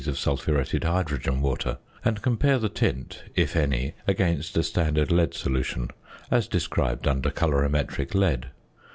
of sulphuretted hydrogen water, and compare the tint, if any, against a standard lead solution, as described under Colorimetric Lead.